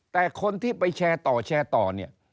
แต่คนที่ไปแชร์ต่อแชร์ต่อเนี่ย